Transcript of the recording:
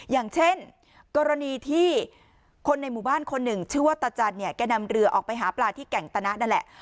อย่างเช่นกรณีที่คนในหมู่บ้านคนหนึ่งชื่อว่าตาจันเนี่ยแกนำเรือออกไปหาปลาที่แก่งตนะนั่นแหละ